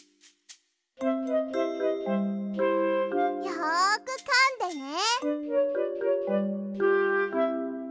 よくかんでね。